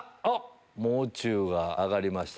「もう中」が挙がりました